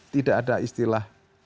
tidak ada istilah